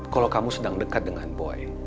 kalau kamu sedang dekat dengan boeing